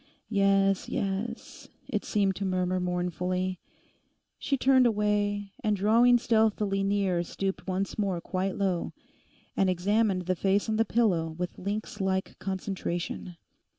'Yes, yes,' it seemed to murmur mournfully. She turned away, and drawing stealthily near stooped once more quite low, and examined the face on the pillow with lynx like concentration.